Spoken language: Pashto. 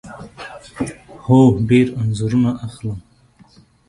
هو، ډیر انځورونه اخلم